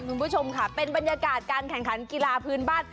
คุณผู้ชมค่ะเป็นบรรยากาศการแข่งขันกีฬาพื้นบ้าน